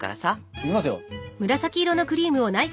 いきますよ。